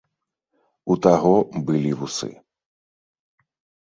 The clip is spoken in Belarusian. У таго былі вусы.